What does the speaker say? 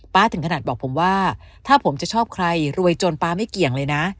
ถึงขนาดบอกผมว่าถ้าผมจะชอบใครรวยจนป๊าไม่เกี่ยงเลยนะ